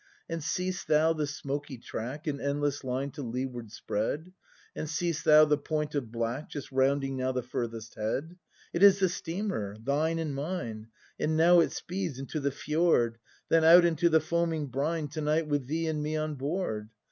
And seest thou the smoky track In endless line to leeward spread ? And seest thou the point of black Just rounding now the furthest head? It is the steamer — thine and mine — And now it speeds into the fjord. Then out into the foaming brine To night with thee and me on board!